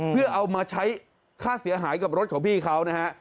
เพื่อเอามาใช้ค่าเสียหายกับรถของพี่เขานะฮะ